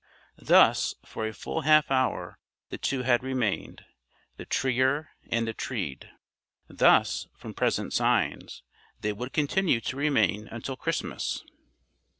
Thus, for a full half hour, the two had remained the treer and the treed. Thus, from present signs, they would continue to remain until Christmas.